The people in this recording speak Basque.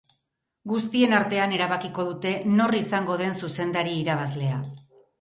Guztien artean erabakiko dute nor izango den zuzendari irabazlea.